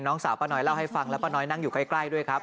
สาวป้าน้อยเล่าให้ฟังแล้วป้าน้อยนั่งอยู่ใกล้ด้วยครับ